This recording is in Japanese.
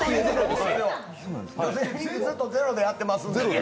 ずっとゼロでやってますので。